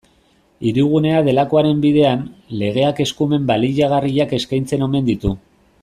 Hirigunea delakoaren bidean, legeak eskumen baliagarriak eskaintzen omen ditu.